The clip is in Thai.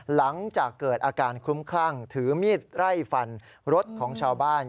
หลังจากเกิดอาการคลุ้มคลั่งถือมีดไล่ฟันรถของชาวบ้าน